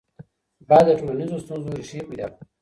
باید د ټولنیزو ستونزو ریښې پیدا کړو.